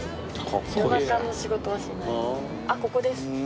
あっここです。